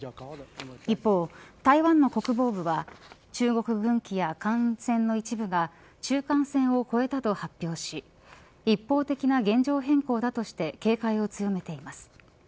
一方、台湾の国防部は中国軍機や艦船の一部が中間線を越えたと発表し一方的な現状変更だとして警戒を強めています。